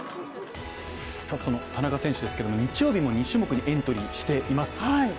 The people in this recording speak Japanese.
その田中選手ですけど、日曜日も２種目にエントリーしています。